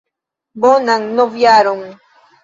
Bonan novjaron!